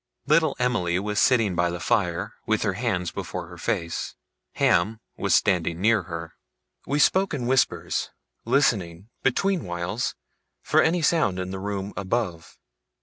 Little Emily was sitting by the fire, with her hands before her face. Ham was standing near her. We spoke in whispers; listening, between whiles, for any sound in the room above.